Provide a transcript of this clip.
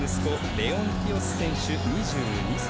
レオンティオス選手、２２歳。